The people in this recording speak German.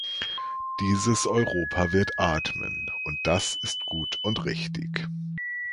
Dieses Europa wird atmen und das ist gut und richtig.